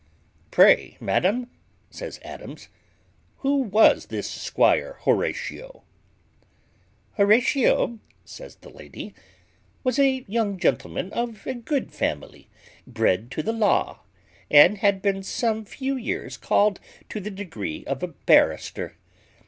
"Pray, madam," says Adams, "who was this squire Horatio?" Horatio, says the lady, was a young gentleman of a good family, bred to the law, and had been some few years called to the degree of a barrister.